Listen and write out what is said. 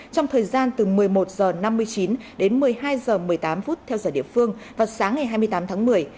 trong thời gian từ một mươi một h năm mươi chín đến một mươi hai h một mươi tám theo giờ địa phương vào sáng ngày hai mươi tám tháng một mươi